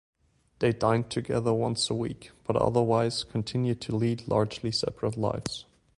They dined together once a week, but otherwise continued to lead largely separate lives.